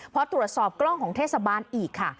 พอตรวจสอบกล้องของเทศบาลอีกค่ะ